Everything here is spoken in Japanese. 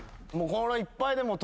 いっぱい。